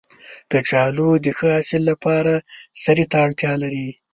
کچالو د ښه حاصل لپاره سرې ته اړتیا لري